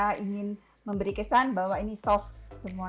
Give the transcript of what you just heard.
jadi kita ingin memberi kesan bahwa ini suatu tempat yang sangat luas